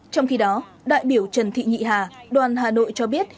trong khi đó đại biểu trần thị nhị hà đoàn hà nội cho biết